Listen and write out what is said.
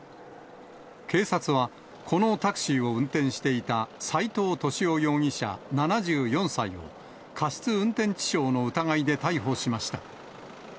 警察は、このタクシーを運転していた斉藤敏夫容疑者７４歳を、過失運転致傷の疑いで逮捕しました。